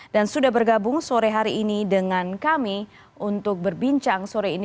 sudah bergabung sore hari ini dengan kami untuk berbincang sore ini